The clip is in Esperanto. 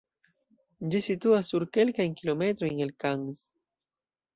Ĝi situas nur kelkajn kilometrojn el Cannes.